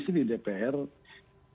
karena kita sudah berusaha